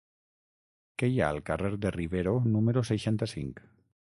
Què hi ha al carrer de Rivero número seixanta-cinc?